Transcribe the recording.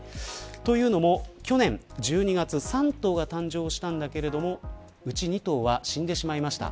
というのも、去年１２月３頭が誕生したんだけれどもうち２頭は死んでしまいました。